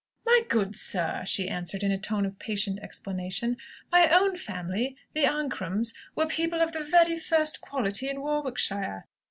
"My good sir!" she answered, in a tone of patient explanation, "my own family, the Ancrams, were people of the very first quality in Warwickshire.